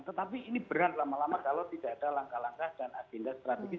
tetapi ini berat lama lama kalau tidak ada langkah langkah dan agenda strategis